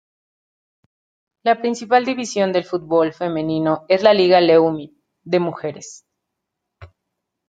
La principal división del fútbol femenino es la Liga Leumit de Mujeres.